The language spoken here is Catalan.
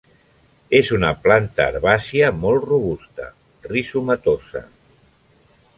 És una planta herbàcia molt robusta, rizomatosa.